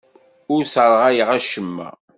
Ur sserɣayeɣ acemma.